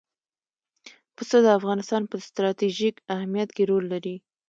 پسه د افغانستان په ستراتیژیک اهمیت کې رول لري.